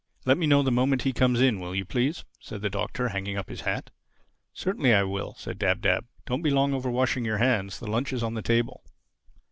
"Let me know the moment he comes in, will you, please?" said the Doctor, hanging up his hat. "Certainly I will," said Dab Dab. "Don't be long over washing your hands; the lunch is on the table."